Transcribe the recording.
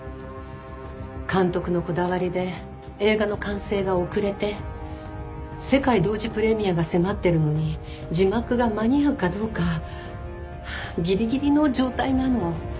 監督のこだわりで映画の完成が遅れて世界同時プレミアが迫ってるのに字幕が間に合うかどうかギリギリの状態なの。